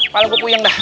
pala gue puyeng dah